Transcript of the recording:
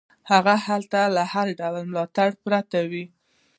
هغه هلته له هر ډول ملاتړ پرته وي.